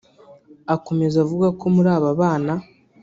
Akomeza avuga ko muri aba bana